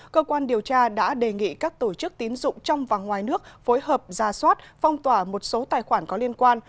cơ quan điều tra đã đề nghị các tổ chức tín dụng trong và ngoài nước phối hợp ra soát phong tỏa một số tài khoản có liên quan